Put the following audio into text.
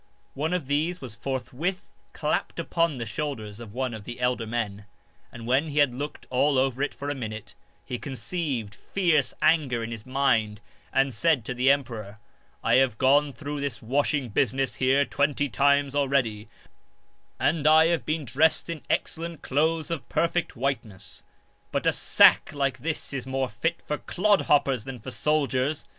One of these was forthwith clapped upon the shoulders of one of the elder men ; and when he had looked all over it for a minute, he conceived fierce anger in his mind, and said to the emperor :" I have gone through this washing business here twenty times already, and I have been dressed in excellent clothes of perfect white ness ; but a sack like this is more fit for clodhoppers than for soldiers.